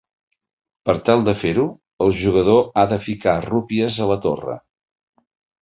Per tal de fer-ho, el jugador ha de ficar rupies a la torre.